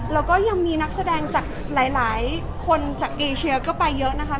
แล้วก็ยังมีนักแสดงจากหลายคนจากเอเชียก็ไปเยอะนะคะ